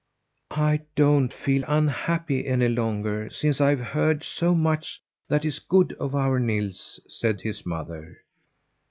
"I don't feel unhappy any longer, since I've heard so much that is good of our Nils," said his mother.